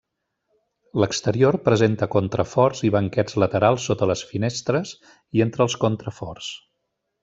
L'exterior presenta contraforts i banquets laterals sota les finestres i entre els contraforts.